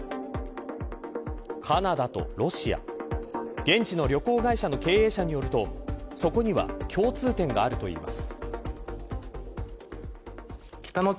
カナダとロシア現地の旅行会社の経営者によるとそこには共通点があるといいます。